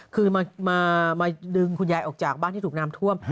คือมาดึงคุณยายออกจากบ้านที่ถูกน้ำท่วม